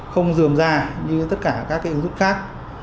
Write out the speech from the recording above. không dườm ra như tất cả các cái ứng dụng khác